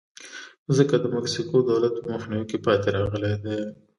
ځکه د مکسیکو دولت په مخنیوي کې پاتې راغلی دی.